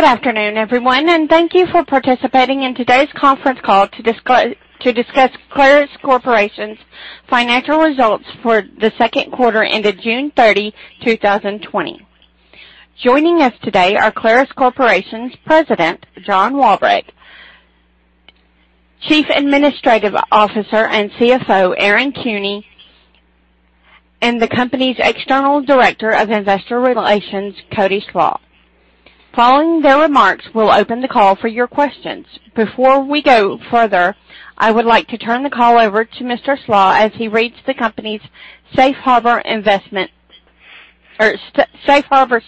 Good afternoon, everyone, and thank you for participating in today's conference call to discuss Clarus Corporation's financial results for the second quarter ended June 30, 2020. Joining us today are Clarus Corporation's President, John Walbrecht, Chief Administrative Officer and CFO, Aaron Kuehne, and the company's External Director of Investor Relations, Cody Slach. Following their remarks, we'll open the call for your questions. Before we go further, I would like to turn the call over to Mr. Slach as he reads the company's safe harbor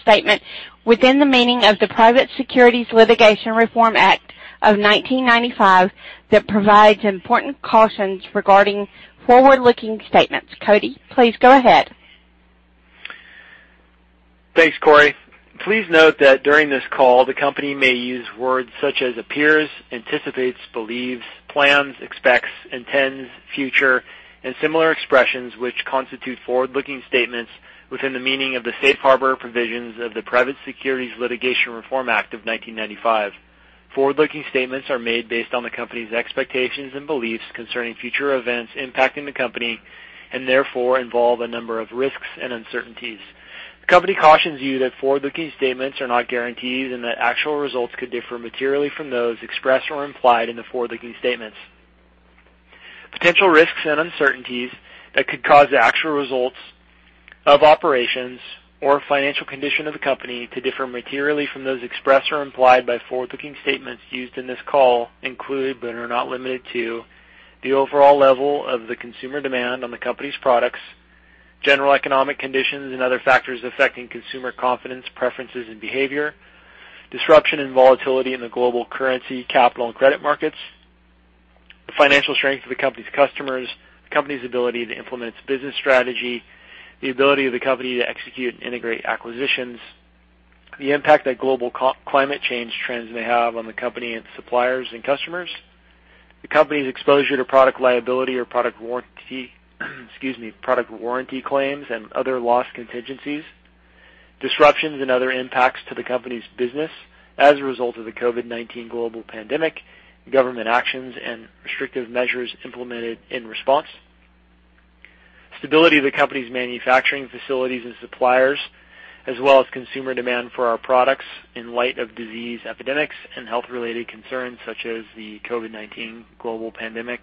statement within the meaning of the Private Securities Litigation Reform Act of 1995 that provides important cautions regarding forward-looking statements. Cody, please go ahead. Thanks, Corey. Please note that during this call, the company may use words such as appears, anticipates, believes, plans, expects, intends, future, and similar expressions, which constitute forward-looking statements within the meaning of the safe harbor provisions of the Private Securities Litigation Reform Act of 1995. Forward-looking statements are made based on the company's expectations and beliefs concerning future events impacting the company, and therefore involve a number of risks and uncertainties. The company cautions you that forward-looking statements are not guarantees and that actual results could differ materially from those expressed or implied in the forward-looking statements. Potential risks and uncertainties that could cause the actual results of operations or financial condition of the company to differ materially from those expressed or implied by forward-looking statements used in this call include, but are not limited to, the overall level of the consumer demand on the company's products, general economic conditions, and other factors affecting consumer confidence, preferences, and behavior, disruption and volatility in the global currency, capital, and credit markets. The financial strength of the company's customers, the company's ability to implement its business strategy, the ability of the company to execute and integrate acquisitions, the impact that global climate change trends may have on the company and suppliers and customers, the company's exposure to product liability or product warranty claims and other loss contingencies, disruptions and other impacts to the company's business as a result of the COVID-19 global pandemic, government actions, and restrictive measures implemented in response, stability of the company's manufacturing facilities and suppliers, as well as consumer demand for our products in light of disease epidemics and health-related concerns such as the COVID-19 global pandemic.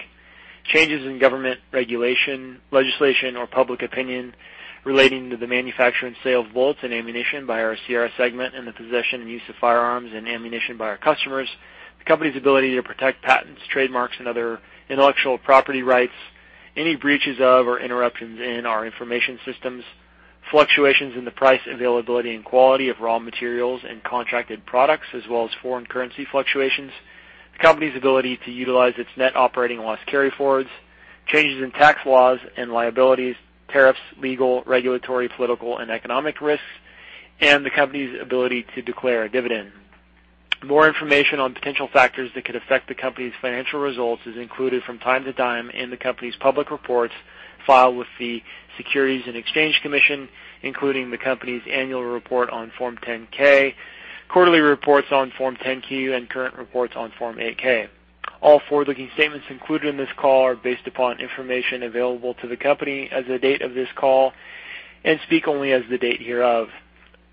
Changes in government regulation, legislation, or public opinion relating to the manufacture and sale of bullets and ammunition by our Sierra segment and the possession and use of firearms and ammunition by our customers, the company's ability to protect patents, trademarks, and other intellectual property rights, any breaches of or interruptions in our information systems, fluctuations in the price, availability, and quality of raw materials and contracted products, as well as foreign currency fluctuations, the company's ability to utilize its net operating loss carryforwards, changes in tax laws and liabilities, tariffs, legal, regulatory, political, and economic risks, and the company's ability to declare a dividend. More information on potential factors that could affect the company's financial results is included from time to time in the company's public reports filed with the Securities and Exchange Commission, including the company's annual report on Form 10-K, quarterly reports on Form 10-Q, and current reports on Form 8-K. All forward-looking statements included in this call are based upon information available to the company as of the date of this call and speak only as of the date hereof.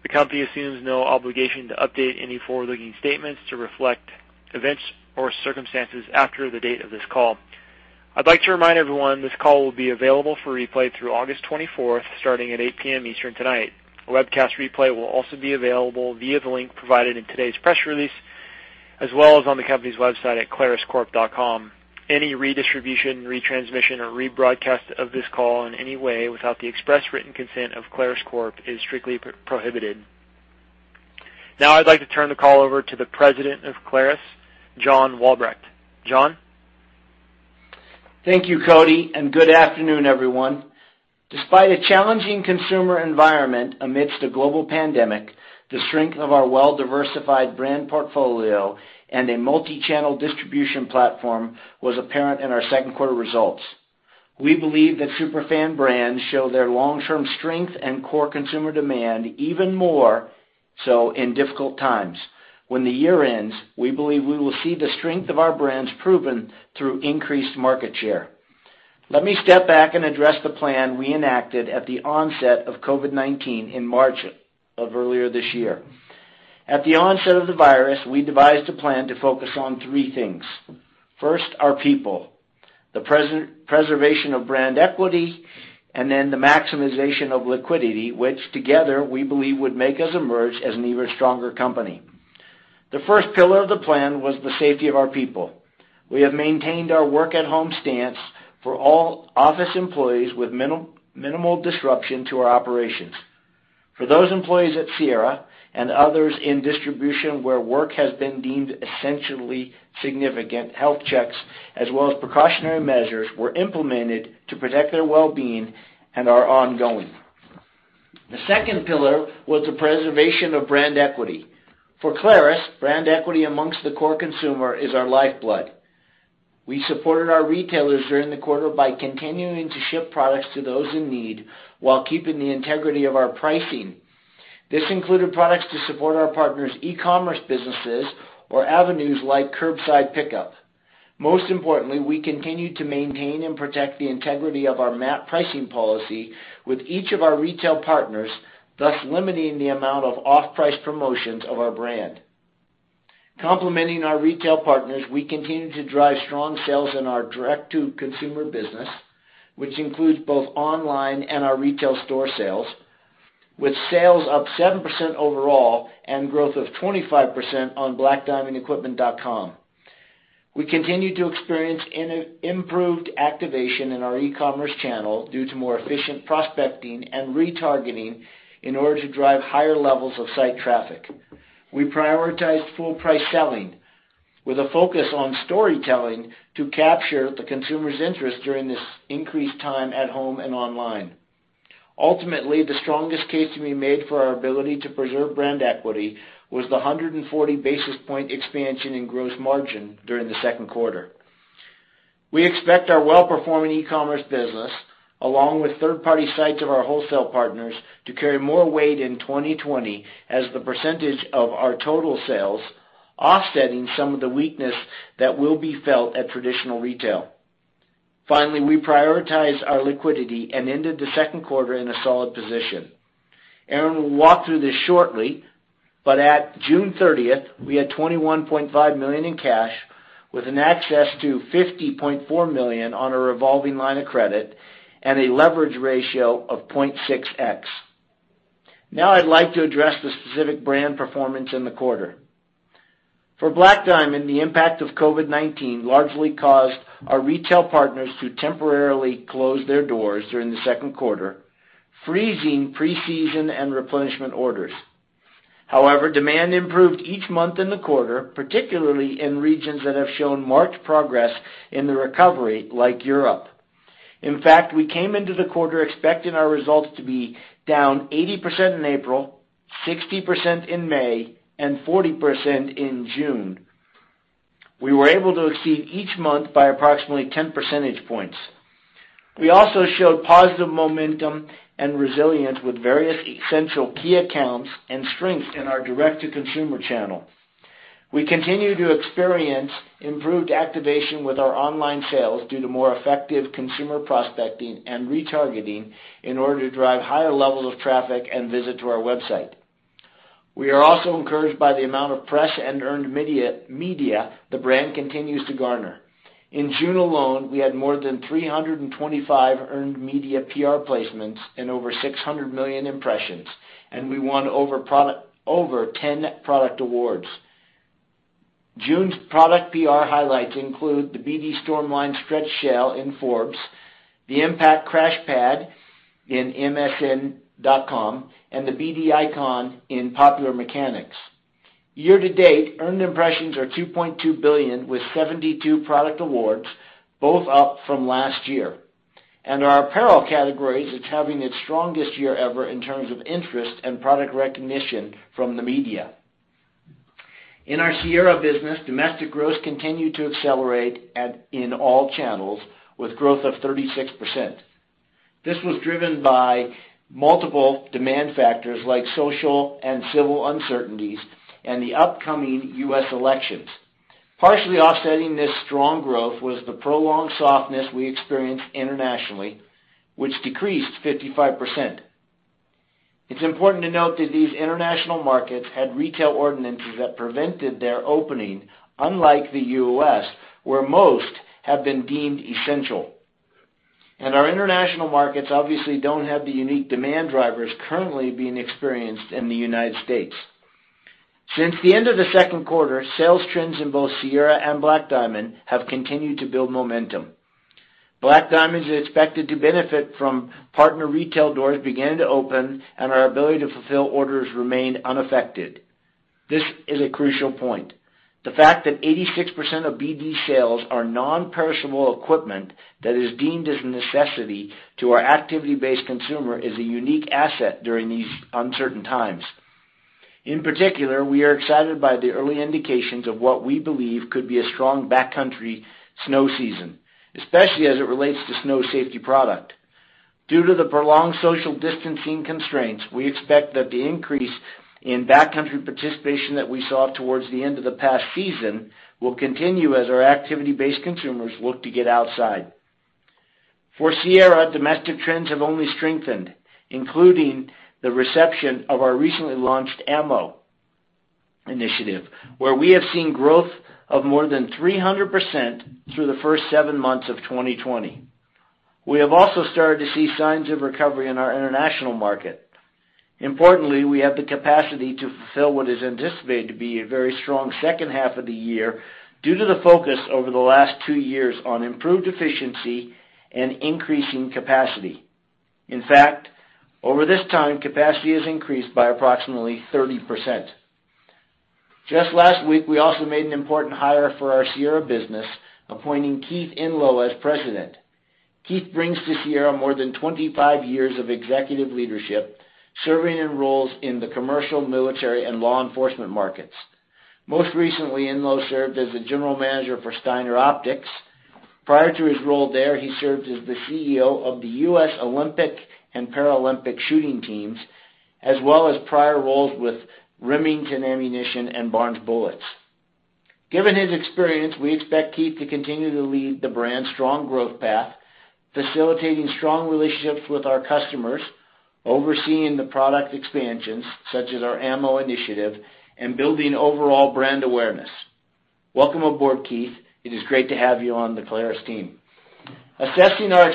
The company assumes no obligation to update any forward-looking statements to reflect events or circumstances after the date of this call. I'd like to remind everyone this call will be available for replay through August 24th, starting at 8:00 P.M. Eastern tonight. A webcast replay will also be available via the link provided in today's press release, as well as on the company's website at claruscorp.com. Any redistribution, retransmission, or rebroadcast of this call in any way without the express written consent of Clarus Corp is strictly prohibited. I'd like to turn the call over to the President of Clarus, John Walbrecht. John? Thank you, Cody, good afternoon, everyone. Despite a challenging consumer environment amidst a global pandemic, the strength of our well-diversified brand portfolio and a multi-channel distribution platform was apparent in our second quarter results. We believe that superfan brands show their long-term strength and core consumer demand even more so in difficult times. When the year ends, we believe we will see the strength of our brands proven through increased market share. Let me step back and address the plan we enacted at the onset of COVID-19 in March of earlier this year. At the onset of the virus, we devised a plan to focus on three things. First, our people, the preservation of brand equity, and then the maximization of liquidity, which together we believe would make us emerge as an even stronger company. The first pillar of the plan was the safety of our people. We have maintained our work-at-home stance for all office employees with minimal disruption to our operations. For those employees at Sierra and others in distribution where work has been deemed essentially significant, health checks as well as precautionary measures were implemented to protect their well-being and are ongoing. The second pillar was the preservation of brand equity. For Clarus, brand equity amongst the core consumer is our lifeblood. We supported our retailers during the quarter by continuing to ship products to those in need while keeping the integrity of our pricing. This included products to support our partners' e-commerce businesses or avenues like curbside pickup. Most importantly, we continued to maintain and protect the integrity of our MAP pricing policy with each of our retail partners, thus limiting the amount of off-price promotions of our brand. Complementing our retail partners, we continued to drive strong sales in our direct-to-consumer business, which includes both online and our retail store sales, with sales up 7% overall and growth of 25% on blackdiamondequipment.com. We continued to experience improved activation in our e-commerce channel due to more efficient prospecting and retargeting in order to drive higher levels of site traffic. We prioritized full price selling with a focus on storytelling to capture the consumer's interest during this increased time at home and online. Ultimately, the strongest case we made for our ability to preserve brand equity was the 140 basis point expansion in gross margin during the second quarter. We expect our well-performing e-commerce business, along with third-party sites of our wholesale partners, to carry more weight in 2020 as the percentage of our total sales, offsetting some of the weakness that will be felt at traditional retail. Finally, we prioritize our liquidity and ended the second quarter in a solid position. Aaron will walk through this shortly, but at June 30th, we had $21.5 million in cash with an access to $50.4 million on a revolving line of credit and a leverage ratio of 0.6x. Now I'd like to address the specific brand performance in the quarter. For Black Diamond, the impact of COVID-19 largely caused our retail partners to temporarily close their doors during the second quarter, freezing pre-season and replenishment orders. However, demand improved each month in the quarter, particularly in regions that have shown marked progress in the recovery, like Europe. In fact, we came into the quarter expecting our results to be down 80% in April, 60% in May, and 40% in June. We were able to exceed each month by approximately 10 percentage points. We also showed positive momentum and resilience with various essential key accounts and strength in our direct-to-consumer channel. We continue to experience improved activation with our online sales due to more effective consumer prospecting and retargeting in order to drive higher levels of traffic and visit to our website. We are also encouraged by the amount of press and earned media the brand continues to garner. In June alone, we had more than 325 earned media PR placements and over 600 million impressions, and we won over 10 product awards. June's product PR highlights include the BD StormLine Stretch Shell in Forbes, the Impact Crash Pad in msn.com, and the BD Icon in Popular Mechanics. Year to date, earned impressions are 2.2 billion with 72 product awards, both up from last year. Our apparel categories is having its strongest year ever in terms of interest and product recognition from the media. In our Sierra business, domestic growth continued to accelerate in all channels with growth of 36%. This was driven by multiple demand factors like social and civil uncertainties and the upcoming U.S. elections. Partially offsetting this strong growth was the prolonged softness we experienced internationally, which decreased 55%. It's important to note that these international markets had retail ordinances that prevented their opening, unlike the U.S., where most have been deemed essential. Our international markets obviously don't have the unique demand drivers currently being experienced in the United States. Since the end of the second quarter, sales trends in both Sierra and Black Diamond have continued to build momentum. Black Diamond is expected to benefit from partner retail doors beginning to open and our ability to fulfill orders remain unaffected. This is a crucial point. The fact that 86% of BD sales are non-perishable equipment that is deemed as a necessity to our activity-based consumer is a unique asset during these uncertain times. In particular, we are excited by the early indications of what we believe could be a strong backcountry snow season, especially as it relates to snow safety product. Due to the prolonged social distancing constraints, we expect that the increase in backcountry participation that we saw towards the end of the past season will continue as our activity-based consumers look to get outside. For Sierra, domestic trends have only strengthened, including the reception of our recently launched ammo initiative, where we have seen growth of more than 300% through the first seven months of 2020. We have also started to see signs of recovery in our international market. Importantly, we have the capacity to fulfill what is anticipated to be a very strong second half of the year due to the focus over the last two years on improved efficiency and increasing capacity. In fact, over this time, capacity has increased by approximately 30%. Just last week, we also made an important hire for our Sierra business, appointing Keith Enlow as President. Keith brings to Sierra more than 25 years of executive leadership, serving in roles in the commercial, military, and law enforcement markets. Most recently, Enlow served as the general manager for Steiner Optics. Prior to his role there, he served as the CEO of the U.S. Olympic and Paralympic shooting teams, as well as prior roles with Remington Ammunition and Barnes Bullets. Given his experience, we expect Keith to continue to lead the brand's strong growth path, facilitating strong relationships with our customers, overseeing the product expansions such as our ammo initiative, and building overall brand awareness. Welcome aboard, Keith. It is great to have you on the Clarus team. Assessing our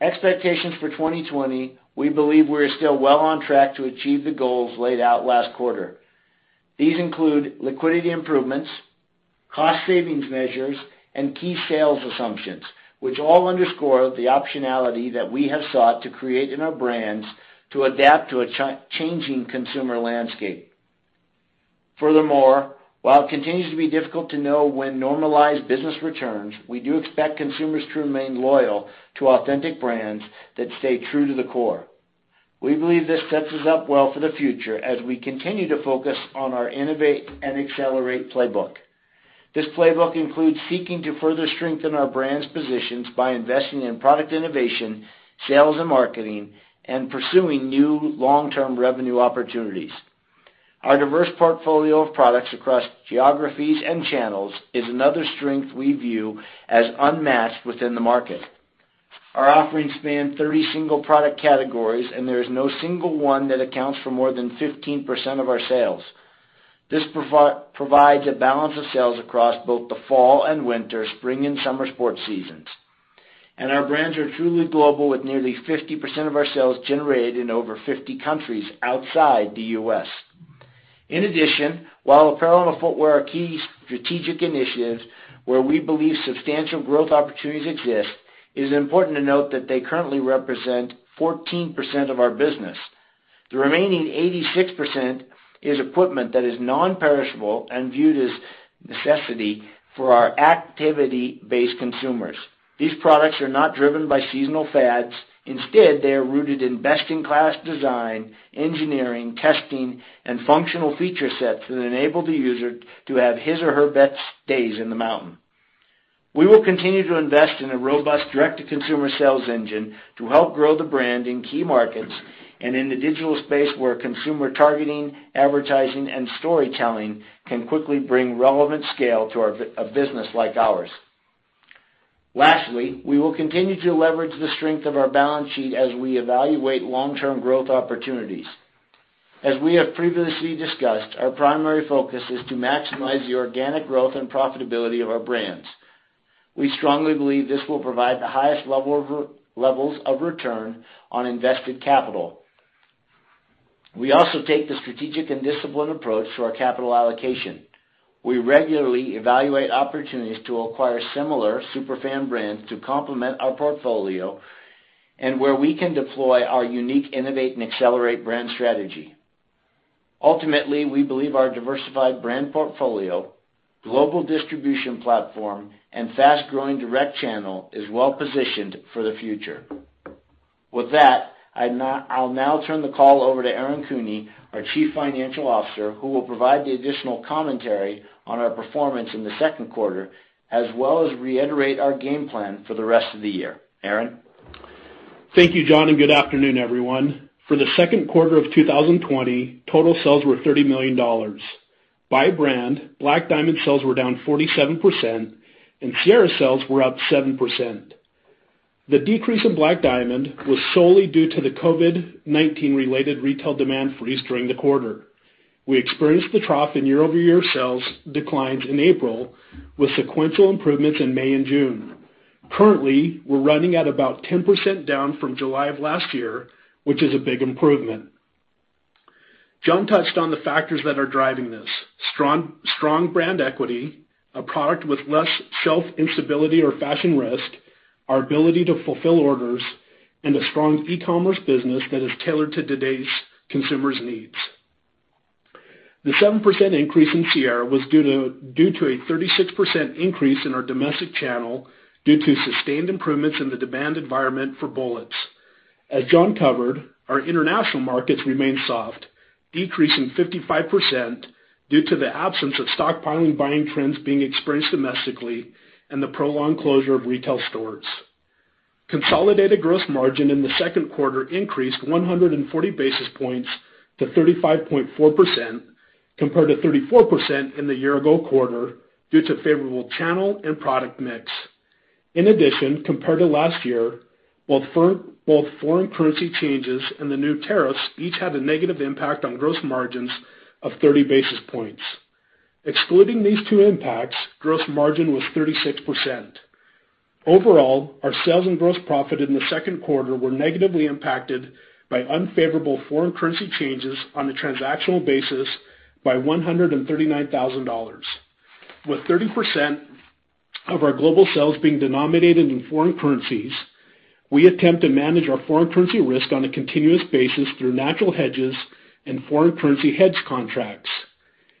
expectations for 2020, we believe we are still well on track to achieve the goals laid out last quarter. These include liquidity improvements, cost savings measures, and key sales assumptions, which all underscore the optionality that we have sought to create in our brands to adapt to a changing consumer landscape. While it continues to be difficult to know when normalized business returns, we do expect consumers to remain loyal to authentic brands that stay true to the core. We believe this sets us up well for the future as we continue to focus on our innovate and accelerate playbook. This playbook includes seeking to further strengthen our brands' positions by investing in product innovation, sales and marketing, and pursuing new long-term revenue opportunities. Our diverse portfolio of products across geographies and channels is another strength we view as unmatched within the market. Our offerings span 30 single product categories, and there is no single one that accounts for more than 15% of our sales. This provides a balance of sales across both the fall and winter, spring and summer sports seasons. Our brands are truly global, with nearly 50% of our sales generated in over 50 countries outside the U.S.. In addition, while apparel and footwear are key strategic initiatives where we believe substantial growth opportunities exist, it is important to note that they currently represent 14% of our business. The remaining 86% is equipment that is non-perishable and viewed as a necessity for our activity-based consumers. These products are not driven by seasonal fads. They are rooted in best-in-class design, engineering, testing, and functional feature sets that enable the user to have his or her best days in the mountain. We will continue to invest in a robust direct-to-consumer sales engine to help grow the brand in key markets and in the digital space where consumer targeting, advertising, and storytelling can quickly bring relevant scale to a business like ours. Lastly, we will continue to leverage the strength of our balance sheet as we evaluate long-term growth opportunities. As we have previously discussed, our primary focus is to maximize the organic growth and profitability of our brands. We strongly believe this will provide the highest levels of return on invested capital. We also take the strategic and disciplined approach to our capital allocation. We regularly evaluate opportunities to acquire similar superfan brands to complement our portfolio and where we can deploy our unique innovate and accelerate brand strategy. Ultimately, we believe our diversified brand portfolio, global distribution platform, and fast-growing direct channel is well positioned for the future. With that, I'll now turn the call over to Aaron Kuehne, our Chief Financial Officer, who will provide the additional commentary on our performance in the second quarter, as well as reiterate our game plan for the rest of the year. Aaron? Thank you, John, and good afternoon, everyone. For the second quarter of 2020, total sales were $30 million. By brand, Black Diamond sales were down 47%, and Sierra sales were up 7%. The decrease in Black Diamond was solely due to the COVID-19 related retail demand freeze during the quarter. We experienced the trough in year-over-year sales declines in April, with sequential improvements in May and June. Currently, we're running at about 10% down from July of last year, which is a big improvement. John touched on the factors that are driving this. Strong brand equity, a product with less shelf instability or fashion risk, our ability to fulfill orders, and a strong e-commerce business that is tailored to today's consumers' needs. The 7% increase in Sierra was due to a 36% increase in our domestic channel due to sustained improvements in the demand environment for bullets. As John covered, our international markets remain soft, decreasing 55% due to the absence of stockpiling buying trends being experienced domestically and the prolonged closure of retail stores. Consolidated gross margin in the second quarter increased 140 basis points to 35.4%, compared to 34% in the year-ago quarter, due to favorable channel and product mix. In addition, compared to last year, both foreign currency changes and the new tariffs each had a negative impact on gross margins of 30 basis points. Excluding these two impacts, gross margin was 36%. Overall, our sales and gross profit in the second quarter were negatively impacted by unfavorable foreign currency changes on a transactional basis by $139,000. With 30% of our global sales being denominated in foreign currencies, we attempt to manage our foreign currency risk on a continuous basis through natural hedges and foreign currency hedge contracts.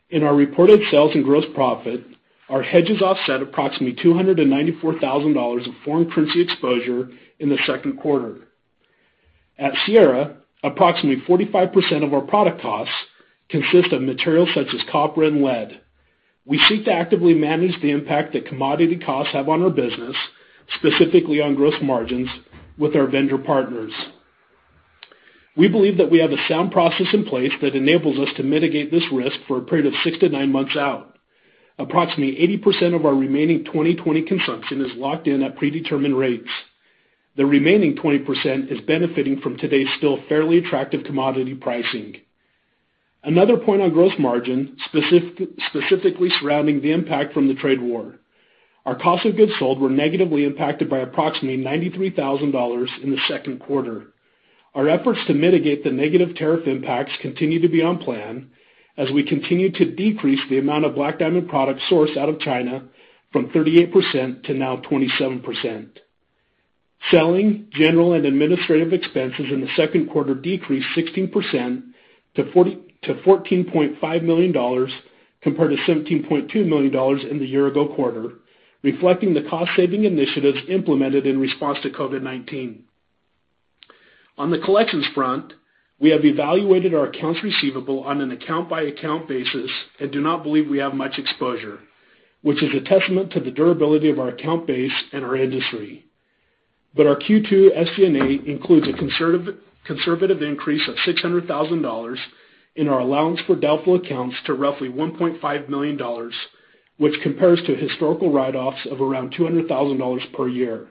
In our reported sales and gross profit, our hedges offset approximately $294,000 of foreign currency exposure in the second quarter. At Sierra, approximately 45% of our product costs consist of materials such as copper and lead. We seek to actively manage the impact that commodity costs have on our business, specifically on gross margins with our vendor partners. We believe that we have a sound process in place that enables us to mitigate this risk for a period of six to nine months out. Approximately 80% of our remaining 2020 consumption is locked in at predetermined rates. The remaining 20% is benefiting from today's still fairly attractive commodity pricing. Another point on gross margin, specifically surrounding the impact from the trade war. Our cost of goods sold were negatively impacted by approximately $93,000 in the second quarter. Our efforts to mitigate the negative tariff impacts continue to be on plan as we continue to decrease the amount of Black Diamond products sourced out of China from 38% to now 27%. Selling, General and Administrative expenses in the second quarter decreased 16% to $14.5 million, compared to $17.2 million in the year-ago quarter, reflecting the cost-saving initiatives implemented in response to COVID-19. On the collections front, we have evaluated our accounts receivable on an account-by-account basis and do not believe we have much exposure, which is a testament to the durability of our account base and our industry. Our Q2 SG&A includes a conservative increase of $600,000 in our allowance for doubtful accounts to roughly $1.5 million, which compares to historical write-offs of around $200,000 per year.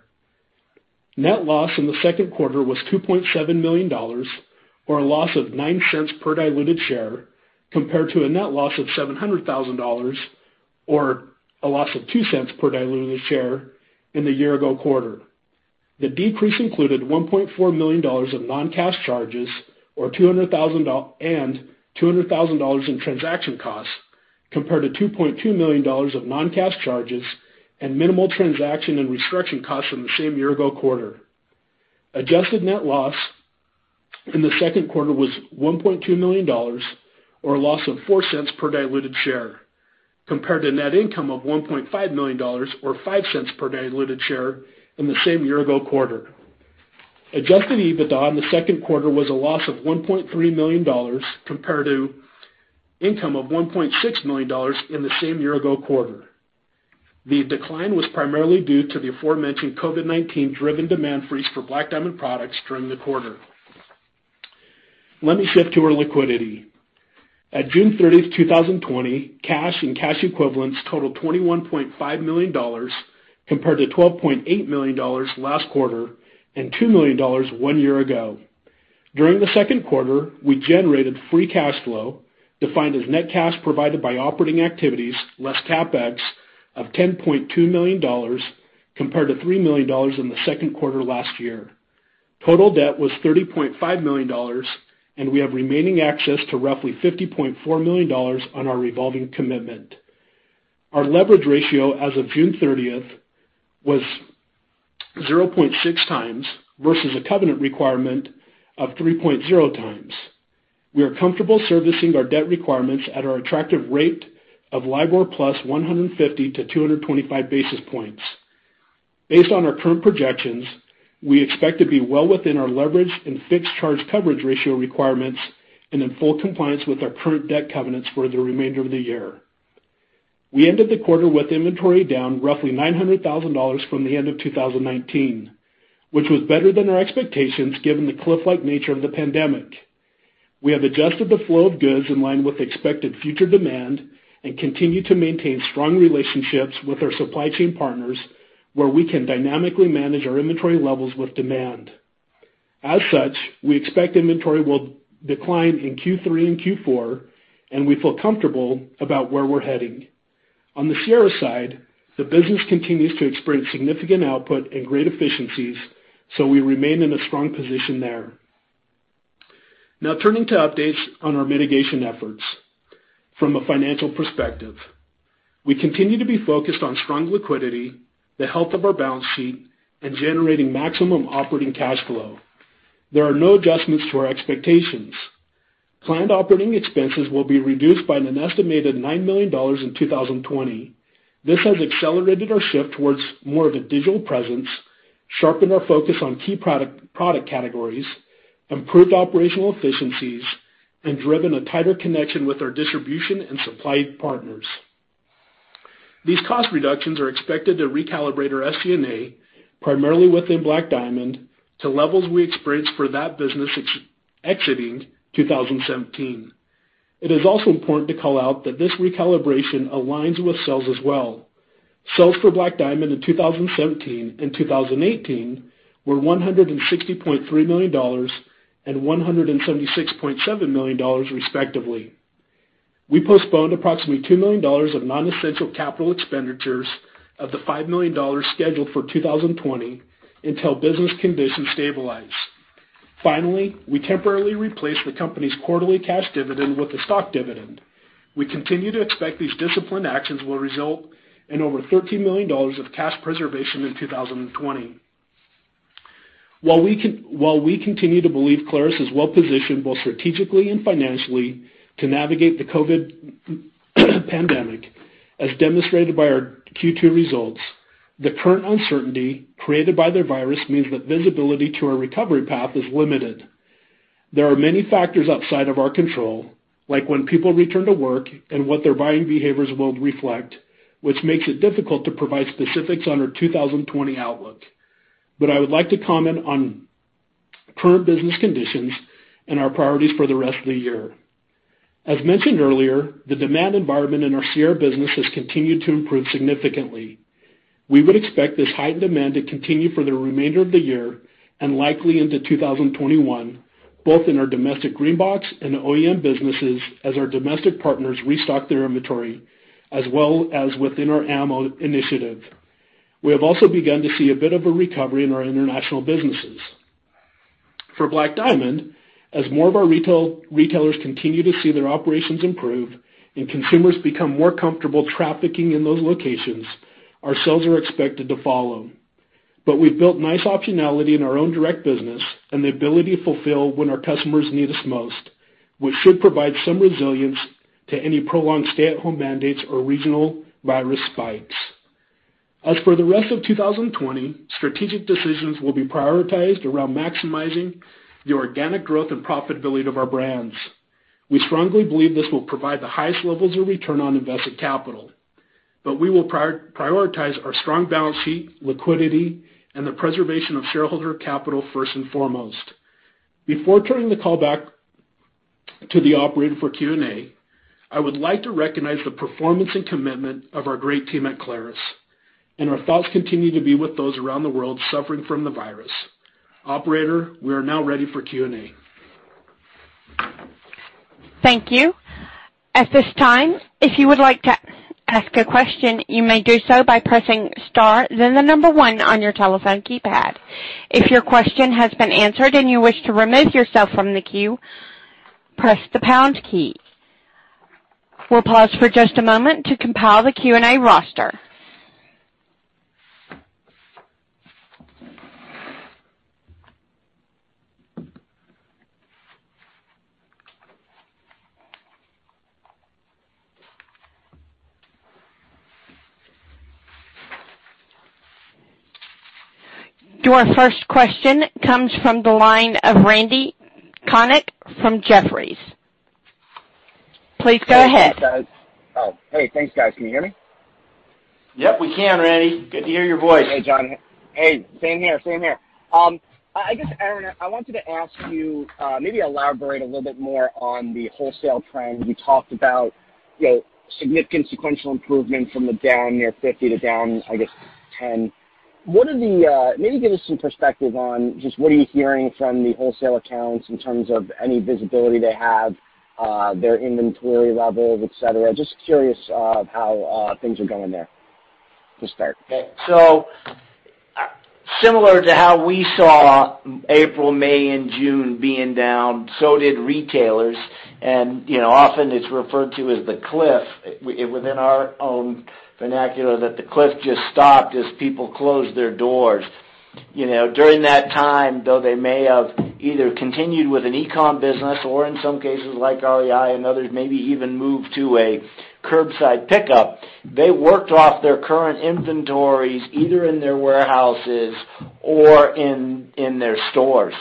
Net loss in the second quarter was $2.7 million, or a loss of $0.09 per diluted share, compared to a net loss of $700,000, or a loss of $0.02 per diluted share in the year-ago quarter. The decrease included $1.4 million of non-cash charges and $200,000 in transaction costs, compared to $2.2 million of non-cash charges and minimal transaction and restructuring costs from the same year-ago quarter. Adjusted net loss in the second quarter was $1.2 million, or a loss of $0.04 per diluted share, compared to net income of $1.5 million or $0.05 per diluted share in the same year-ago quarter. Adjusted EBITDA in the second quarter was a loss of $1.3 million compared to income of $1.6 million in the same year-ago quarter. The decline was primarily due to the aforementioned COVID-19-driven demand freeze for Black Diamond products during the quarter. Let me shift to our liquidity. At June 30th, 2020, cash and cash equivalents totaled $21.5 million, compared to $12.8 million last quarter and $2 million one year ago. During the second quarter, we generated free cash flow, defined as net cash provided by operating activities less CapEx, of $10.2 million, compared to $3 million in the second quarter last year. Total debt was $30.5 million, and we have remaining access to roughly $50.4 million on our revolving commitment. Our leverage ratio as of June 30th was 0.6x versus a covenant requirement of 3.0x. We are comfortable servicing our debt requirements at our attractive rate of LIBOR plus 150-225 basis points. Based on our current projections, we expect to be well within our leverage and fixed charge coverage ratio requirements and in full compliance with our current debt covenants for the remainder of the year. We ended the quarter with inventory down roughly $900,000 from the end of 2019, which was better than our expectations given the cliff-like nature of the pandemic. We have adjusted the flow of goods in line with expected future demand and continue to maintain strong relationships with our supply chain partners where we can dynamically manage our inventory levels with demand. As such, we expect inventory will decline in Q3 and Q4, and we feel comfortable about where we're heading. On the Sierra side, the business continues to experience significant output and great efficiencies. We remain in a strong position there. Turning to updates on our mitigation efforts from a financial perspective. We continue to be focused on strong liquidity, the health of our balance sheet, and generating maximum operating cash flow. There are no adjustments to our expectations. Planned operating expenses will be reduced by an estimated $9 million in 2020. This has accelerated our shift towards more of a digital presence, sharpened our focus on key product categories, improved operational efficiencies, and driven a tighter connection with our distribution and supply partners. These cost reductions are expected to recalibrate our SG&A primarily within Black Diamond to levels we experienced for that business exiting 2017. It is also important to call out that this recalibration aligns with sales as well. Sales for Black Diamond in 2017 and 2018 were $160.3 million and $176.7 million respectively. We postponed approximately $2 million of non-essential capital expenditures of the $5 million scheduled for 2020 until business conditions stabilize. Finally, we temporarily replaced the company's quarterly cash dividend with a stock dividend. We continue to expect these disciplined actions will result in over $13 million of cash preservation in 2020. While we continue to believe Clarus is well-positioned, both strategically and financially, to navigate the COVID pandemic, as demonstrated by our Q2 results, the current uncertainty created by the virus means that visibility to our recovery path is limited. There are many factors outside of our control, like when people return to work and what their buying behaviors will reflect, which makes it difficult to provide specifics on our 2020 outlook. I would like to comment on current business conditions and our priorities for the rest of the year. As mentioned earlier, the demand environment in our Sierra business has continued to improve significantly. We would expect this heightened demand to continue for the remainder of the year, and likely into 2021, both in our domestic green box and OEM businesses, as our domestic partners restock their inventory, as well as within our ammo initiative. We have also begun to see a bit of a recovery in our international businesses. For Black Diamond, as more of our retailers continue to see their operations improve and consumers become more comfortable trafficking in those locations, our sales are expected to follow. We've built nice optionality in our own direct business and the ability to fulfill when our customers need us most, which should provide some resilience to any prolonged stay-at-home mandates or regional virus spikes. As for the rest of 2020, strategic decisions will be prioritized around maximizing the organic growth and profitability of our brands. We strongly believe this will provide the highest levels of return on invested capital, but we will prioritize our strong balance sheet, liquidity, and the preservation of shareholder capital first and foremost. Before turning the call back to the operator for Q&A, I would like to recognize the performance and commitment of our great team at Clarus, and our thoughts continue to be with those around the world suffering from the virus. Operator, we are now ready for Q&A. Thank you. At this time, if you would like to ask a question, you may do so by pressing star then the number one on your telephone keypad. If your question has been answered and you wish to remove yourself from the queue, press the pound key. We'll pause for just a moment to compile the Q&A roster. Your first question comes from the line of Randy Konik from Jefferies. Please go ahead. Hey, guys. Oh, hey, thanks guys. Can you hear me? Yep, we can, Ray. Good to hear your voice. Hey, John. Hey, same here. I guess, Aaron, I wanted to ask you, maybe elaborate a little bit more on the wholesale trend. You talked about significant sequential improvement from the down near 50% to down, I guess, 10%. Maybe give us some perspective on just what are you hearing from the wholesale accounts in terms of any visibility they have, their inventory levels, et cetera? Just curious how things are going there to start? Similar to how we saw April, May, and June being down, so did retailers. Often it's referred to as the cliff, within our own vernacular, that the cliff just stopped as people closed their doors. During that time, though they may have either continued with an e-com business or in some cases like REI and others, maybe even moved to a curbside pickup, they worked off their current inventories, either in their warehouses or in their stores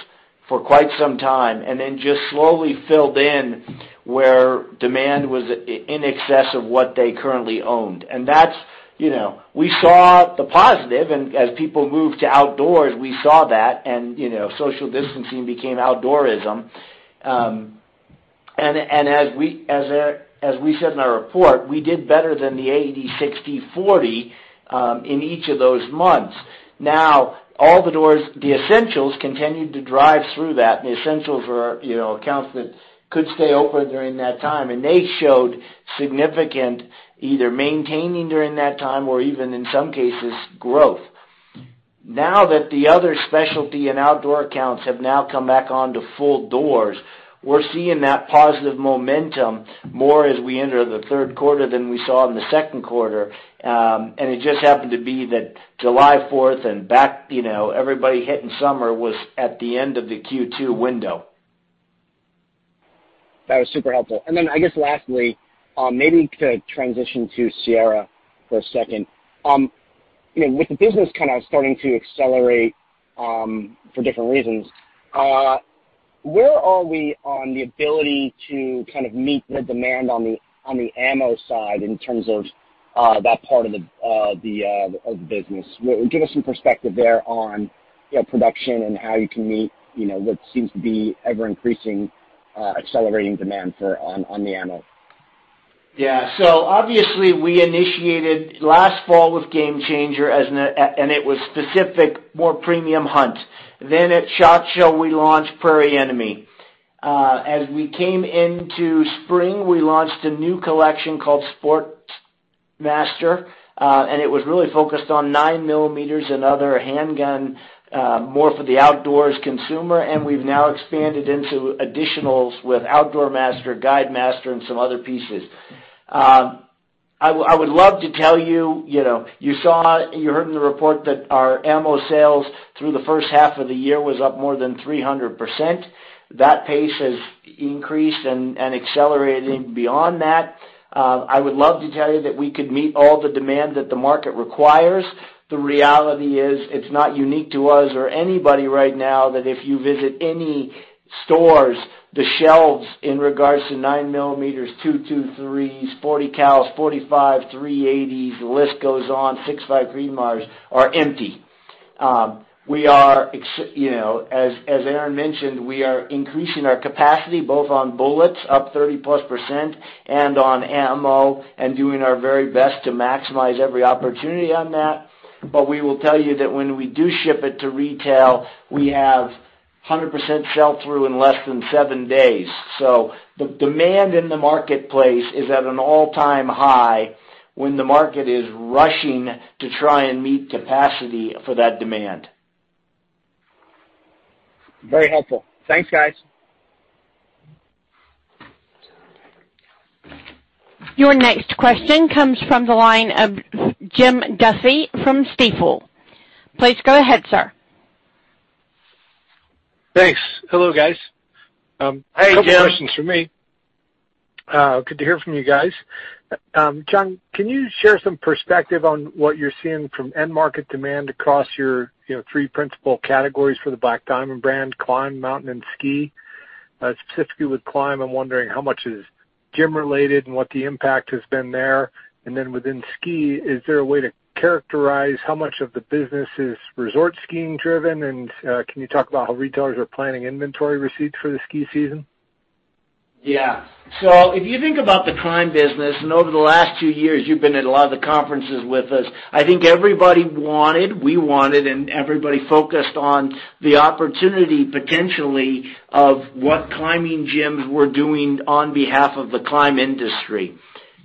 for quite some time, and then just slowly filled in where demand was in excess of what they currently owned. We saw the positive. As people moved to outdoors, we saw that and social distancing became outdoorism. As we said in our report, we did better than the 80%, 60%, 40% in each of those months. All the doors, the essentials continued to drive through that, the essentials are accounts that could stay open during that time. They showed significant either maintaining during that time or even in some cases, growth. Now that the other specialty and outdoor accounts have now come back onto full doors, we're seeing that positive momentum more as we enter the third quarter than we saw in the second quarter. It just happened to be that July 4th and everybody hitting summer was at the end of the Q2 window. That was super helpful. I guess lastly, maybe to transition to Sierra for a second. With the business kind of starting to accelerate for different reasons, where are we on the ability to kind of meet the demand on the ammo side in terms of that part of the business? Give us some perspective there on production and how you can meet what seems to be ever increasing, accelerating demand on the ammo. Obviously, we initiated last fall with GameChanger, and it was specific, more premium hunt. At SHOT Show, we launched Prairie Enemy. As we came into spring, we launched a new collection called Sport Master, and it was really focused on 9 mm and other handgun, more for the outdoors consumer, and we've now expanded into additionals with Outdoor Master, Guide Master, and some other pieces. I would love to tell you. You heard in the report that our ammo sales through the first half of the year was up more than 300%. That pace has increased and accelerated beyond that. I would love to tell you that we could meet all the demand that the market requires. The reality is, it's not unique to us or anybody right now, that if you visit any stores, the shelves in regards to 9 mm, 223s, 40 cals, 45, 380s, the list goes on, 6.5 Creedmoors, are empty. As Aaron mentioned, we are increasing our capacity both on bullets, up 30%+, and on ammo, and doing our very best to maximize every opportunity on that. We will tell you that when we do ship it to retail, we have 100% sell-through in less than seven days. The demand in the marketplace is at an all-time high when the market is rushing to try and meet capacity for that demand. Very helpful. Thanks, guys. Your next question comes from the line of Jim Duffy from Stifel. Please go ahead, sir. Thanks. Hello, guys. Hey, Jim. Couple questions from me. Good to hear from you guys. John, can you share some perspective on what you're seeing from end market demand across your three principal categories for the Black Diamond brand, climb, mountain, and ski? Specifically with climb, I'm wondering how much is gym-related and what the impact has been there. Within ski, is there a way to characterize how much of the business is resort skiing driven? Can you talk about how retailers are planning inventory receipts for the ski season? If you think about the climb business, and over the last two years, you've been at a lot of the conferences with us, I think everybody wanted, we wanted, and everybody focused on the opportunity, potentially, of what climbing gyms were doing on behalf of the climb industry.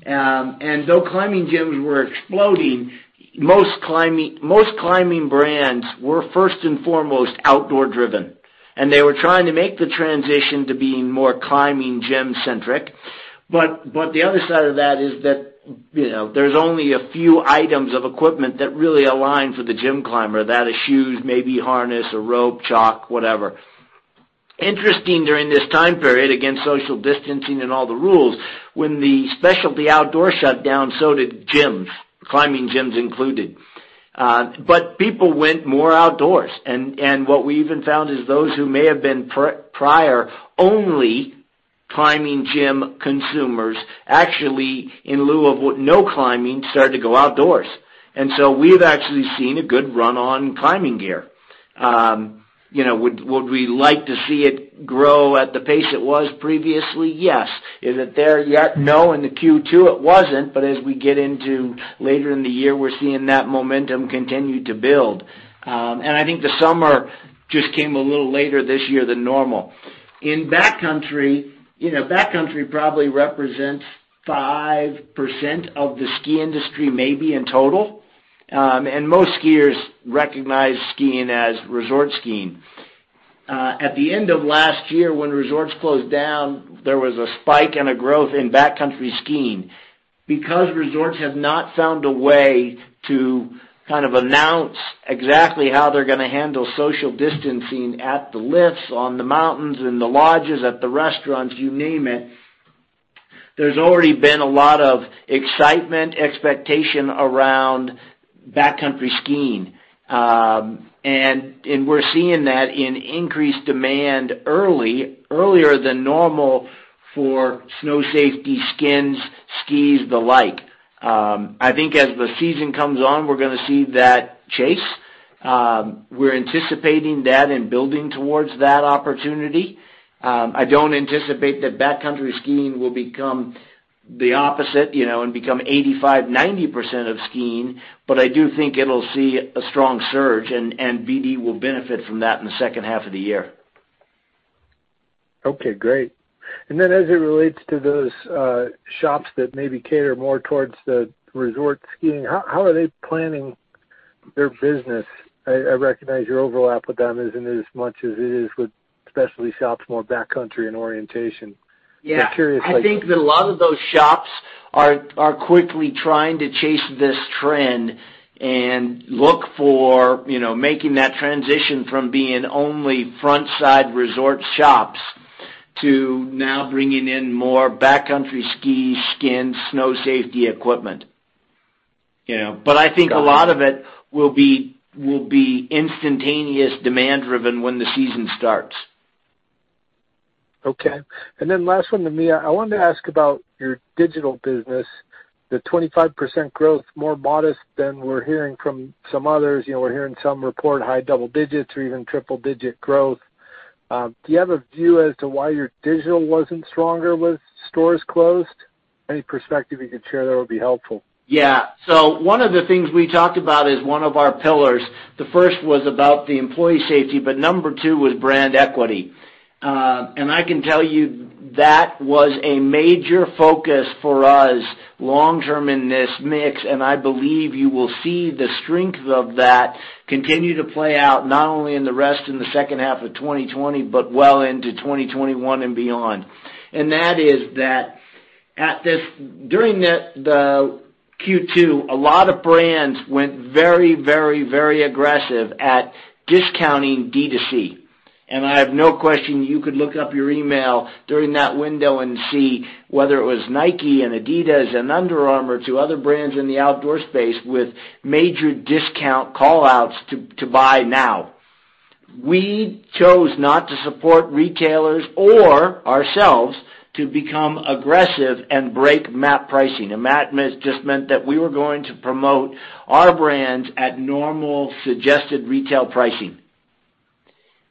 Though climbing gyms were exploding, most climbing brands were first and foremost outdoor driven, and they were trying to make the transition to being more climbing gym centric. The other side of that is that there's only a few items of equipment that really align for the gym climber. That is shoes, maybe harness, a rope, chalk, whatever. Interesting during this time period, again, social distancing and all the rules, when the specialty outdoor shut down, so did gyms, climbing gyms included. People went more outdoors, and what we even found is those who may have been prior only climbing gym consumers, actually, in lieu of no climbing, started to go outdoors. We've actually seen a good run on climbing gear. Would we like to see it grow at the pace it was previously? Yes. Is it there yet? No. In the Q2, it wasn't, but as we get into later in the year, we're seeing that momentum continue to build. I think the summer just came a little later this year than normal. In backcountry probably represents 5% of the ski industry, maybe in total. Most skiers recognize skiing as resort skiing. At the end of last year, when resorts closed down, there was a spike and a growth in backcountry skiing. Because resorts have not found a way to kind of announce exactly how they're going to handle social distancing at the lifts, on the mountains, in the lodges, at the restaurants, you name it, there's already been a lot of excitement, expectation around backcountry skiing. We're seeing that in increased demand earlier than normal for snow safety, skins, skis, the like. I think as the season comes on, we're going to see that chase. We're anticipating that and building towards that opportunity. I don't anticipate that backcountry skiing will become the opposite, and become 85%, 90% of skiing, but I do think it'll see a strong surge and BD will benefit from that in the second half of the year. Okay, great. As it relates to those shops that maybe cater more towards the resort skiing, how are they planning their business? I recognize your overlap with them isn't as much as it is with specialty shops, more backcountry in orientation. Yeah. I'm curious. I think that a lot of those shops are quickly trying to chase this trend and look for making that transition from being only frontside resort shops to now bringing in more backcountry skis, skins, snow safety equipment. I think a lot of it will be instantaneous demand driven when the season starts. Okay. Last one to me. I wanted to ask about your digital business, the 25% growth, more modest than we're hearing from some others. We're hearing some report high double digits or even triple digit growth. Do you have a view as to why your digital wasn't stronger with stores closed? Any perspective you could share there would be helpful. One of the things we talked about is one of our pillars. The first was about the employee safety, but number two was brand equity. I can tell you that was a major focus for us long-term in this mix, and I believe you will see the strength of that continue to play out, not only in the rest in the second half of 2020, but well into 2021 and beyond. That is that. During the Q2, a lot of brands went very aggressive at discounting D2C. I have no question you could look up your email during that window and see whether it was Nike and Adidas and Under Armour to other brands in the outdoor space with major discount call-outs to buy now. We chose not to support retailers or ourselves to become aggressive and break MAP pricing. A MAP just meant that we were going to promote our brands at normal suggested retail pricing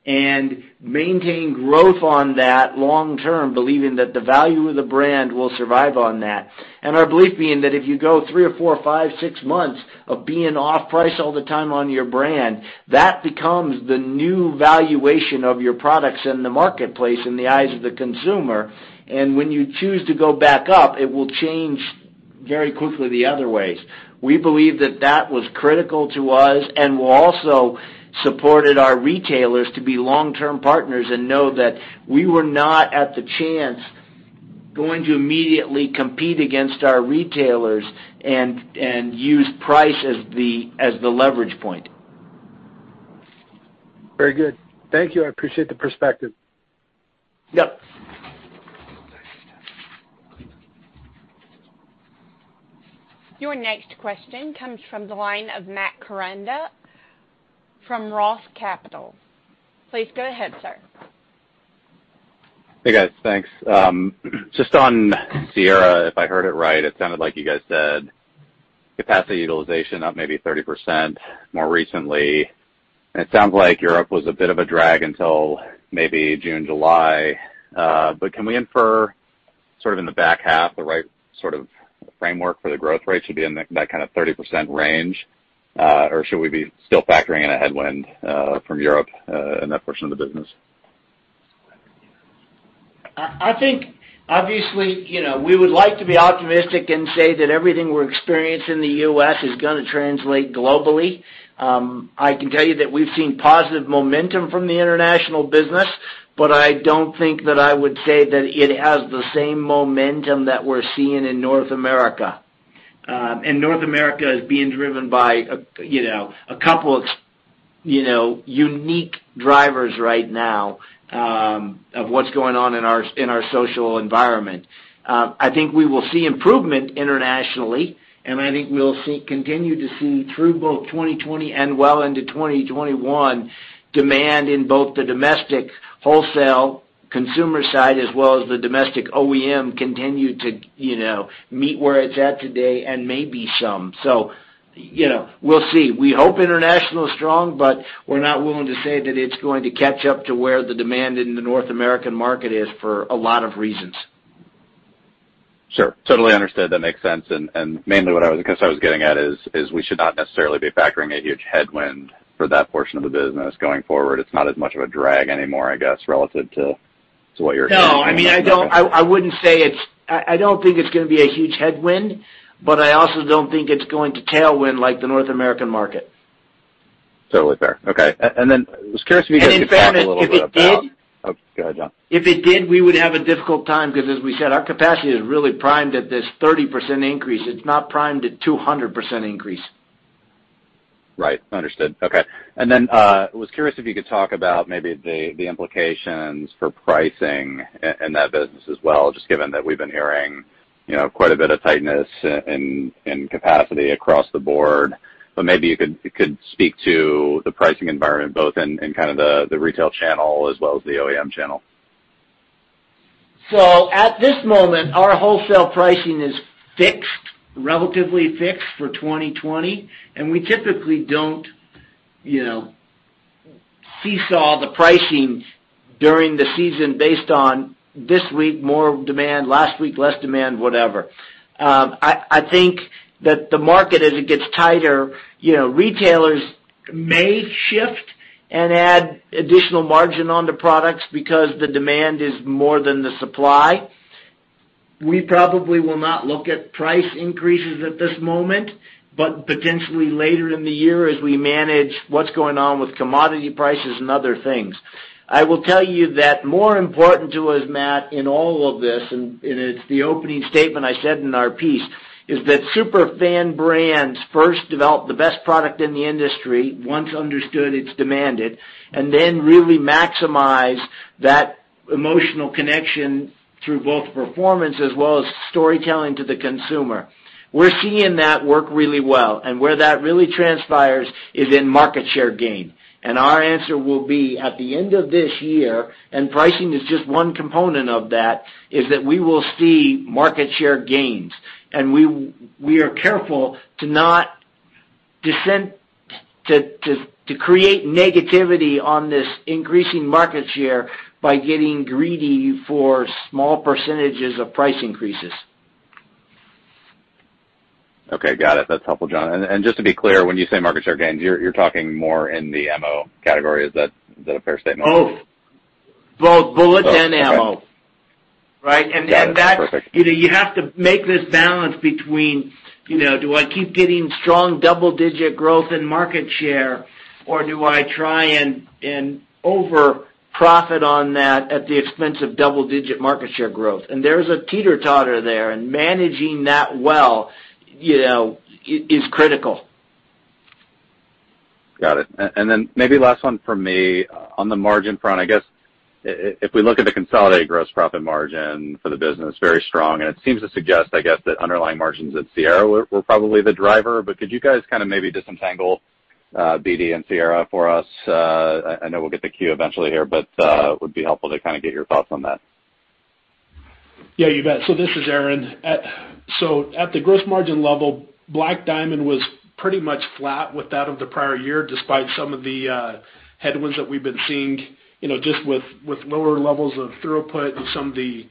and maintain growth on that long term, believing that the value of the brand will survive on that. Our belief being that if you go three or four, five, six months of being off price all the time on your brand, that becomes the new valuation of your products in the marketplace in the eyes of the consumer. When you choose to go back up, it will change very quickly the other ways. We believe that was critical to us and also supported our retailers to be long-term partners and know that we were not at the chance going to immediately compete against our retailers and use price as the leverage point. Very good. Thank you. I appreciate the perspective. Yep. Your next question comes from the line of Matt Koranda from Roth Capital. Please go ahead, sir. Hey, guys. Thanks. Just on Sierra, if I heard it right, it sounded like you guys said capacity utilization up maybe 30% more recently. It sounds like Europe was a bit of a drag until maybe June, July. Can we infer sort of in the back half the right sort of framework for the growth rate should be in that kind of 30% range? Should we be still factoring in a headwind from Europe in that portion of the business? I think obviously, we would like to be optimistic and say that everything we're experiencing in the U.S. is going to translate globally. I can tell you that we've seen positive momentum from the international business, but I don't think that I would say that it has the same momentum that we're seeing in North America. North America is being driven by a couple of unique drivers right now of what's going on in our social environment. I think we will see improvement internationally, and I think we'll continue to see through both 2020 and well into 2021, demand in both the domestic wholesale consumer side as well as the domestic OEM continue to meet where it's at today and maybe some. We'll see. We hope international is strong, but we're not willing to say that it's going to catch up to where the demand in the North American market is for a lot of reasons. Sure. Totally understood. That makes sense. Mainly what I was getting at is we should not necessarily be factoring a huge headwind for that portion of the business going forward. It's not as much of a drag anymore, I guess, relative to what you're hearing. I don't think it's going to be a huge headwind, but I also don't think it's going to tailwind like the North American market. Totally fair. Okay. I was curious if you could talk a little bit about. in fairness, if it did. Oh, go ahead, John. If it did, we would have a difficult time because as we said, our capacity is really primed at this 30% increase. It's not primed at 200% increase. Right. Understood. Okay. I was curious if you could talk about maybe the implications for pricing in that business as well, just given that we've been hearing quite a bit of tightness in capacity across the board. Maybe you could speak to the pricing environment both in the retail channel as well as the OEM channel. At this moment, our wholesale pricing is fixed, relatively fixed for 2020. We typically don't seesaw the pricing during the season based on this week more demand, last week, less demand, whatever. I think that the market, as it gets tighter, retailers may shift and add additional margin onto products because the demand is more than the supply. We probably will not look at price increases at this moment, potentially later in the year as we manage what's going on with commodity prices and other things. I will tell you that more important to us, Matt, in all of this, and it's the opening statement I said in our piece, is that superfan brands first develop the best product in the industry, once understood it's demanded, and then really maximize that emotional connection through both performance as well as storytelling to the consumer. We're seeing that work really well. Where that really transpires is in market share gain. Our answer will be at the end of this year. Pricing is just one component of that, is that we will see market share gains. We are careful to not descend to create negativity on this increasing market share by getting greedy for small percentages of price increases. Okay. Got it. That's helpful, John. Just to be clear, when you say market share gains, you're talking more in the ammo category. Is that a fair statement? Oh, both bullet and ammo. Both. Okay. Right? Got it. Perfect. That you have to make this balance between, do I keep getting strong double-digit growth in market share, or do I try and over-profit on that at the expense of double-digit market share growth. There's a teeter-totter there, and managing that well is critical. Got it. Maybe last one from me. On the margin front, I guess, if we look at the consolidated gross profit margin for the business, very strong, and it seems to suggest, I guess, that underlying margins at Sierra were probably the driver. Could you guys kind of maybe disentangle BD and Sierra for us? I know we'll get the Q eventually here. It would be helpful to get your thoughts on that. Yeah, you bet. This is Aaron. At the gross margin level, Black Diamond was pretty much flat with that of the prior year, despite some of the headwinds that we've been seeing just with lower levels of throughput and some of the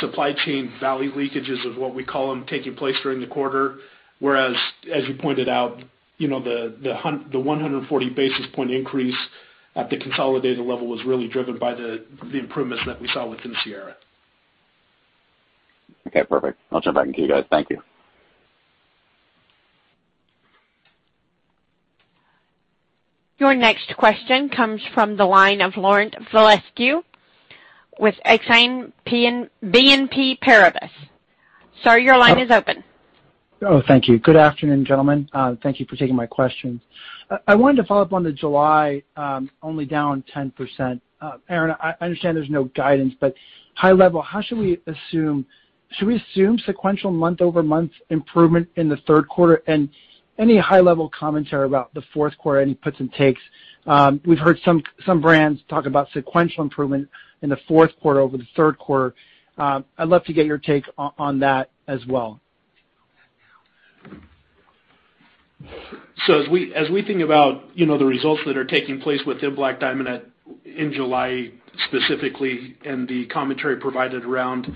supply chain value leakages, is what we call them, taking place during the quarter. As you pointed out, the 140 basis point increase at the consolidated level was really driven by the improvements that we saw within Sierra. Okay, perfect. I'll turn it back into you guys. Thank you. Your next question comes from the line of Laurent Vasilescu with Exane BNP Paribas. Sir, your line is open. Oh, thank you. Good afternoon, gentlemen. Thank you for taking my questions. I wanted to follow up on the July, only down 10%. Aaron, I understand there's no guidance, but high level, should we assume sequential month-over-month improvement in the third quarter? Any high-level commentary about the fourth quarter and any puts and takes. We've heard some brands talk about sequential improvement in the fourth quarter over the third quarter. I'd love to get your take on that as well. As we think about the results that are taking place within Black Diamond in July specifically, and the commentary provided around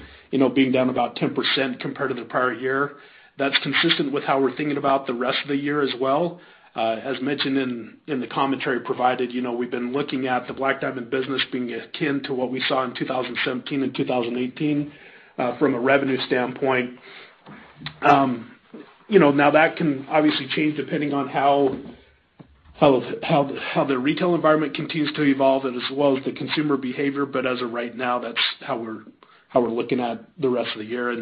being down about 10% compared to the prior year, that's consistent with how we're thinking about the rest of the year as well. As mentioned in the commentary provided, we've been looking at the Black Diamond business being akin to what we saw in 2017 and 2018, from a revenue standpoint. That can obviously change depending on how the retail environment continues to evolve and as well as the consumer behavior. As of right now, that's how we're looking at the rest of the year.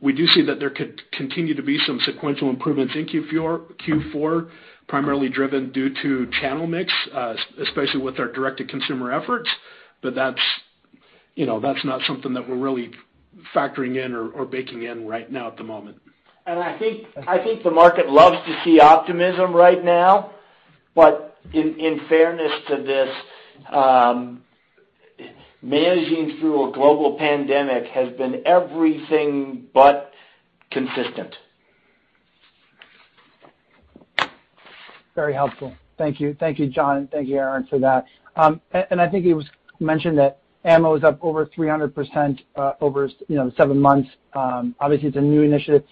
We do see that there could continue to be some sequential improvements in Q4, primarily driven due to channel mix, especially with our direct-to-consumer efforts. That's not something that we're really factoring in or baking in right now at the moment. I think the market loves to see optimism right now. In fairness to this, managing through a global pandemic has been everything but consistent. Very helpful. Thank you. Thank you, John, thank you, Aaron, for that. I think it was mentioned that ammo is up over 300% over seven months. Obviously, it's a new initiative.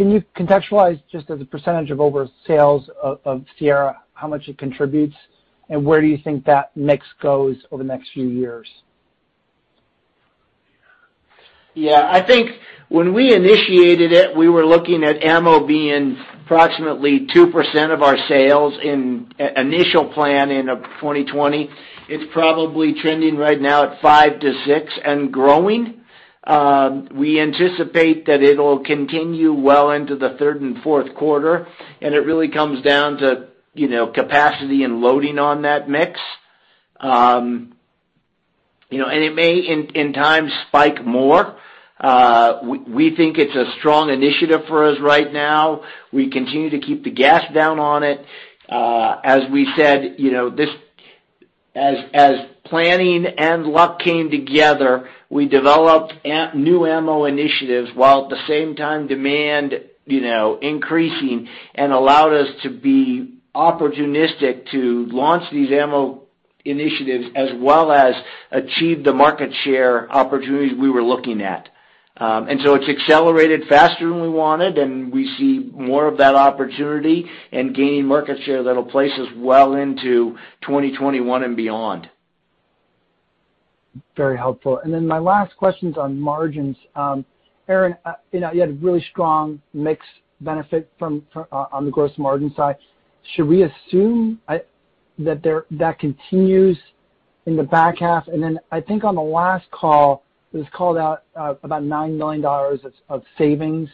Can you contextualize just as a percentage of over sales of Sierra, how much it contributes, and where do you think that mix goes over the next few years? Yeah. I think when we initiated it, we were looking at ammo being approximately 2% of our sales in initial plan in 2020. It's probably trending right now at 5%-6% and growing. We anticipate that it'll continue well into the third and fourth quarter. It really comes down to capacity and loading on that mix. It may, in time, spike more. We think it's a strong initiative for us right now. We continue to keep the gas down on it. As we said, as planning and luck came together, we developed new ammo initiatives, while at the same time demand increasing, and allowed us to be opportunistic to launch these ammo initiatives as well as achieve the market share opportunities we were looking at. It's accelerated faster than we wanted, and we see more of that opportunity and gaining market share that'll place us well into 2021 and beyond. Very helpful. My last question's on margins. Aaron, you had a really strong mix benefit on the gross margin side. Should we assume that continues in the back half? I think on the last call, it was called out about $9 million of savings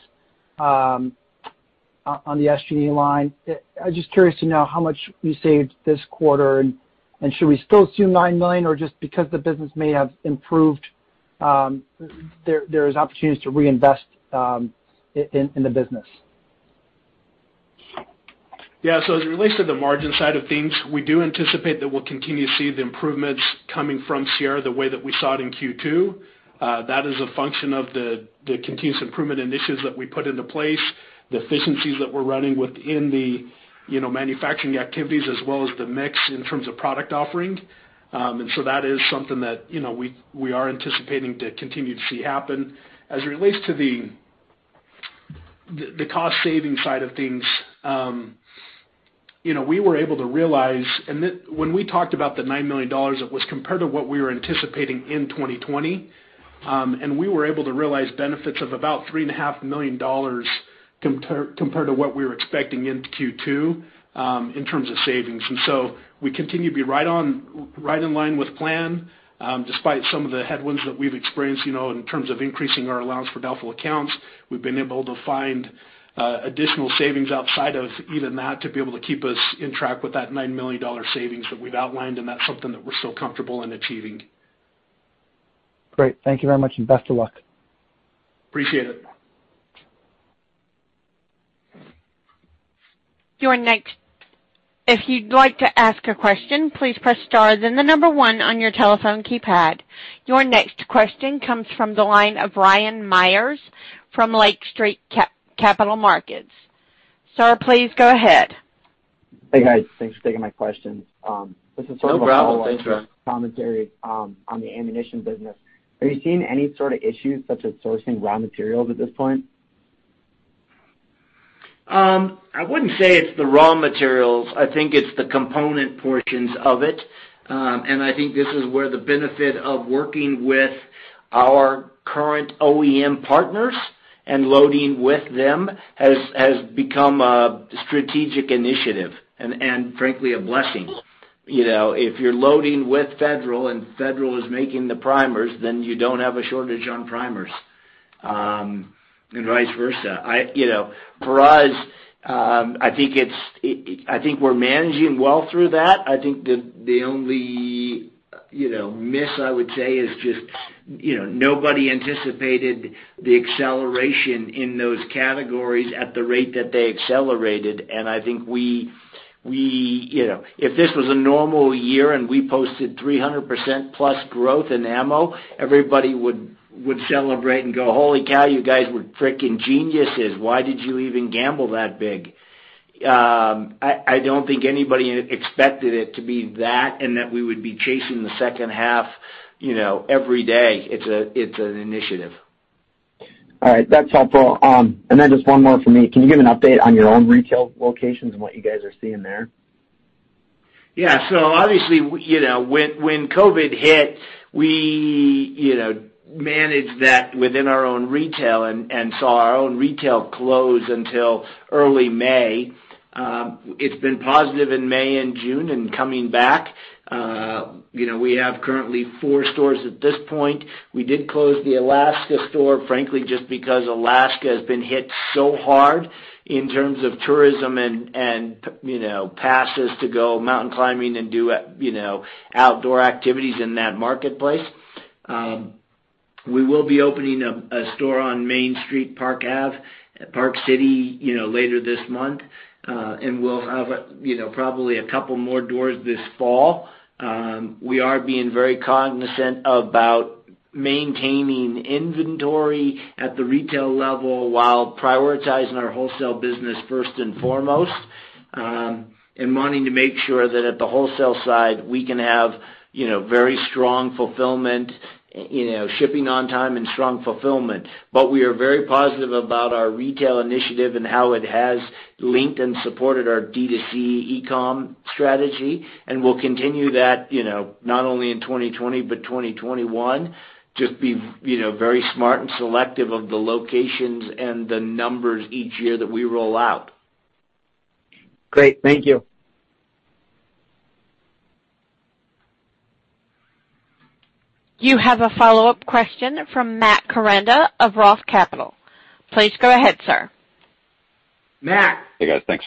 on the SG&A line. I'm just curious to know how much you saved this quarter, should we still assume $9 million, just because the business may have improved there is opportunities to reinvest in the business? Yeah. As it relates to the margin side of things, we do anticipate that we'll continue to see the improvements coming from Sierra the way that we saw it in Q2. That is a function of the continuous improvement initiatives that we put into place, the efficiencies that we're running within the manufacturing activities as well as the mix in terms of product offering. That is something that we are anticipating to continue to see happen. As it relates to the cost-saving side of things, When we talked about the $9 million, it was compared to what we were anticipating in 2020, and we were able to realize benefits of about $3.5 million compared to what we were expecting in Q2 in terms of savings. We continue to be right in line with plan. Despite some of the headwinds that we've experienced in terms of increasing our allowance for doubtful accounts, we've been able to find additional savings outside of even that to be able to keep us in track with that $9 million savings that we've outlined. That's something that we're still comfortable in achieving. Great. Thank you very much, and best of luck. Appreciate it. Your next question comes from the line of Ryan Meyers from Lake Street Capital Markets. Sir, please go ahead. Hey, guys. Thanks for taking my questions. Thanks, Ryan. This is sort of a follow-up commentary on the ammunition business. Are you seeing any sort of issues such as sourcing raw materials at this point? I wouldn't say it's the raw materials. I think it's the component portions of it, and I think this is where the benefit of working with our current OEM partners and loading with them has become a strategic initiative and frankly, a blessing. If you're loading with Federal and Federal is making the primers, then you don't have a shortage on primers, and vice versa. For us, I think we're managing well through that. I think the only miss, I would say, is just nobody anticipated the acceleration in those categories at the rate that they accelerated, and I think if this was a normal year and we posted 300%+ growth in ammo, everybody would celebrate and go, goly cow, you guys were freaking geniuses, why did you even gamble that big? I don't think anybody expected it to be that and that we would be chasing the second half every day. It's an initiative. All right. That's helpful. Just one more from me. Can you give an update on your own retail locations and what you guys are seeing there? Yeah. Obviously, when COVID hit, we managed that within our own retail and saw our own retail close until early May. It's been positive in May and June in coming back. We have currently four stores at this point. We did close the Alaska store, frankly, just because Alaska has been hit so hard in terms of tourism and passes to go mountain climbing and do outdoor activities in that marketplace. We will be opening a store on Main Street, Park Ave, Park City later this month, and we'll have probably a couple more doors this fall. We are being very cognizant about maintaining inventory at the retail level while prioritizing our wholesale business first and foremost, and wanting to make sure that at the wholesale side, we can have very strong fulfillment, shipping on time, and strong fulfillment. We are very positive about our retail initiative and how it has linked and supported our D2C e-com strategy, and we'll continue that not only in 2020, but 2021. Just be very smart and selective of the locations and the numbers each year that we roll out. Great. Thank you. You have a follow-up question from Matt Koranda of Roth Capital. Please go ahead, sir. Matt. Hey, guys. Thank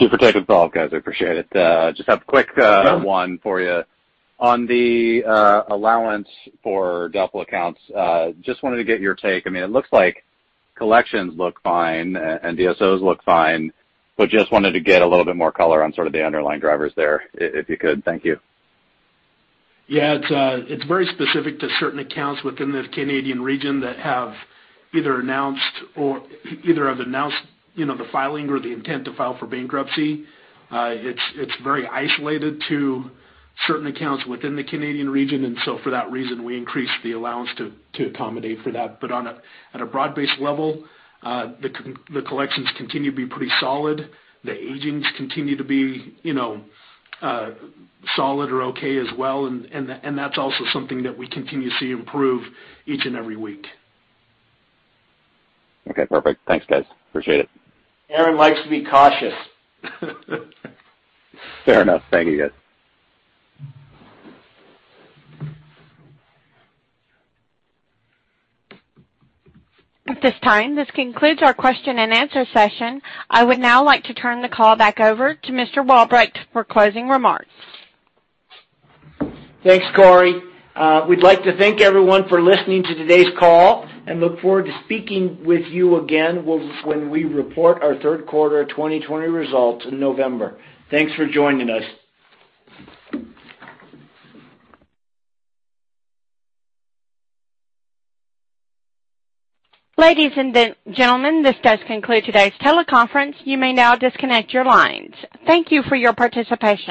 you for taking the call, guys. I appreciate it. One for you. On the allowance for doubtful accounts, just wanted to get your take. It looks like collections look fine and DSOs look fine, but just wanted to get a little bit more color on sort of the underlying drivers there, if you could. Thank you. It's very specific to certain accounts within the Canadian region that have either announced the filing or the intent to file for bankruptcy. It's very isolated to certain accounts within the Canadian region, for that reason, we increased the allowance to accommodate for that. At a broad-based level, the collections continue to be pretty solid. The agings continue to be solid or okay as well, that's also something that we continue to see improve each and every week. Okay, perfect. Thanks, guys. Appreciate it. Aaron likes to be cautious. Fair enough. Thank you guys. At this time, this concludes our question and answer session. I would now like to turn the call back over to Mr. Walbrecht for closing remarks. Thanks, Corey. We'd like to thank everyone for listening to today's call and look forward to speaking with you again when we report our third quarter 2020 results in November. Thanks for joining us. Ladies and gentlemen, this does conclude today's teleconference. You may now disconnect your lines. Thank you for your participation